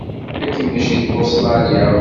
Tagi mačči d Ustṛalya.